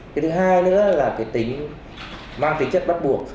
cái thứ hai nữa là cái tính mang tính chất bắt buộc